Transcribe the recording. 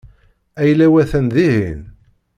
Ayla-w atan dihin.